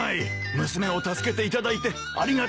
娘を助けていただいてありがとうございます。